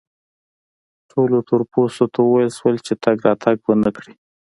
ټولو تور پوستو ته وویل شول چې تګ راتګ و نه کړي.